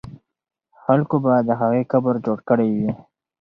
خلکو به د هغې قبر جوړ کړی وي.